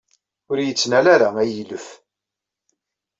Ur iyi-ttnal ara, a ilef!